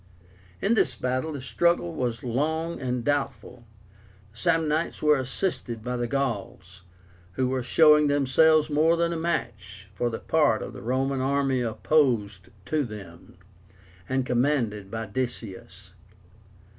In this battle the struggle was long and doubtful. The Samnites were assisted by the Gauls, who were showing themselves more than a match for the part of the Roman army opposed to them, and commanded by Decius.